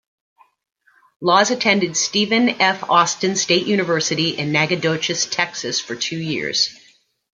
Laws attended Stephen F. Austin State University in Nacogdoches, Texas, for two years.